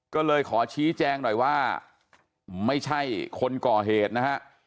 ก็เลยขอชี้แจงหน่อยว่าไม่ใช่คนก่อเหตุนะฮะ